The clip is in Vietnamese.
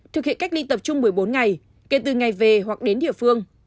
thực hiện cách ly tập trung một mươi bốn ngày kể từ ngày về hoặc đến địa phương